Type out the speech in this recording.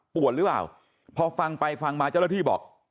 หรือเปล่าพอฟังไปฟังมาเจ้าหน้าที่บอก